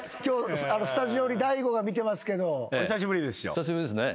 久しぶりですね。